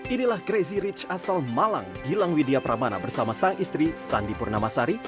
inilah crazy rich asal malang gilang widya pramana bersama sang istri sandi purnamasari